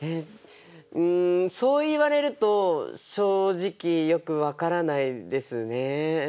うんそう言われると正直よく分からないですね。